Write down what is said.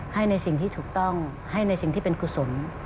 ให้ในสิ่งที่ถูกต้องให้ในสิ่งที่เป็นกุศล